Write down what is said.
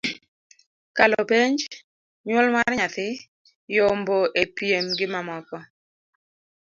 kalo penj, nywol mar nyathi, yombo e piem gimamoko